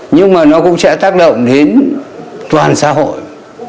nhưng mà nó cũng sẽ tác động đến toàn xã hội